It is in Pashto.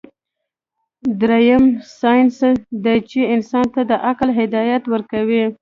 دريم سائنس دے چې انسان ته د عقل هدايت ورکوي